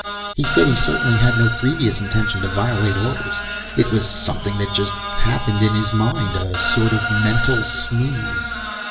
He said he certainly had no previous intention to violate orders. It was something that just happened in his mind. A sort of mental sneeze.